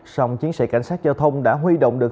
song chiến sĩ cảnh sát giao thông đã huy động được